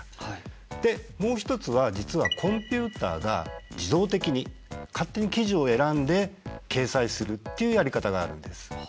でもう一つは実はコンピューターが自動的に勝手に記事を選んで掲載するっていうやり方があるんです。